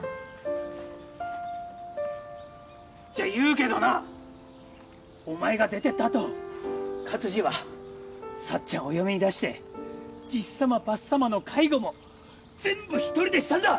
じゃあ言うけどなお前が出てった後勝二はさっちゃんお嫁に出してじっさまばっさまの介護も全部一人でしたんだ！